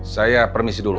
saya permisi dulu